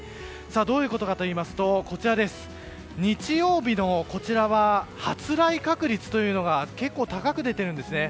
どういうことかといいますと日曜日の発雷確率が結構高く出ているんですね。